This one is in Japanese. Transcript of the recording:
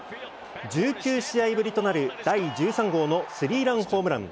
１９試合ぶりとなる第１３号のスリーランホームラン。